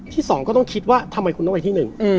ที่๒ก็ต้องคิดว่าทำไมคุณต้องไปที่๑